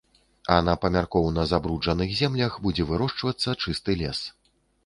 А на памяркоўна забруджаных землях будзе вырошчвацца чысты лес.